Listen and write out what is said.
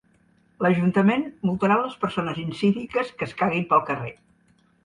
L'ajuntament multarà les persones incíviques que es caguin pel carrer.